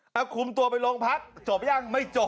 ครับคุมตัวไปลงพักจบยังไม่จบ